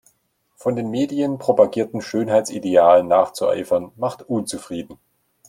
Von den Medien propagierten Schönheitsidealen nachzueifern macht unzufrieden.